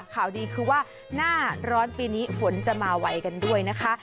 ข่าวดีคือว่าหน้าร้อนปีนี้ฝนจะมาไวกันด้วยนะคะ